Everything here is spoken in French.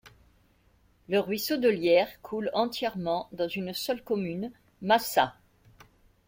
Le ruisseau de Liers coule entièrement dans une seule commune Massat.